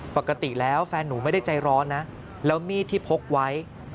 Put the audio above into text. ปกติแล้วแฟนหนูไม่ได้ใจร้อนนะแล้วมีดที่พกไว้